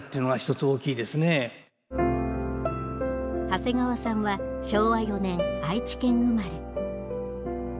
長谷川さんは昭和４年愛知県生まれ。